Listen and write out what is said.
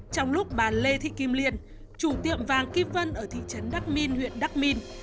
trong lúc bà lê thị kim liên chủ tiệm vàng kim vân ở thị trấn đắc minh huyện đắc minh